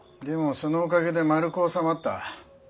でもそのおかげでまるく収まった。